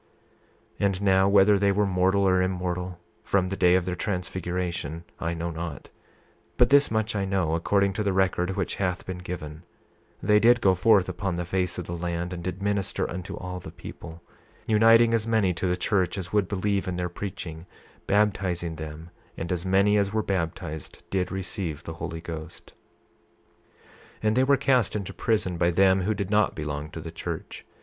28:17 And now, whether they were mortal or immortal, from the day of their transfiguration, I know not; 28:18 But this much I know, according to the record which hath been given—they did go forth upon the face of the land, and did minister unto all the people, uniting as many to the church as would believe in their preaching; baptizing them, and as many as were baptized did receive the Holy Ghost. 28:19 And they were cast into prison by them who did not belong to the church.